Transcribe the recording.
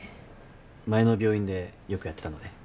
前の病院でよくやってたので。